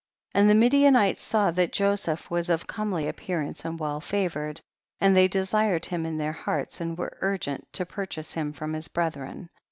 18. And the Midianites saw that Joseph was of a comely appearance and well favored ; they desired him in their hearts and were urgent to purchase him from his brethren.